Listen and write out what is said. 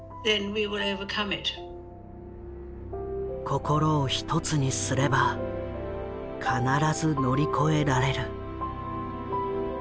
心を一つにすれば必ず乗り越えられる。